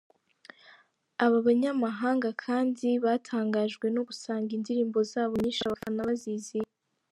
Aba banyamahanga kandi batangajwe no gusanga indirimbo zabo nyinshi abafana bazizi.